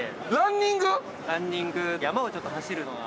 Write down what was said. ランニング山をちょっと走るのが。